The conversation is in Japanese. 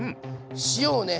塩をね